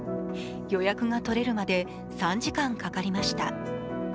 予約が取れるまで３時間かかりました。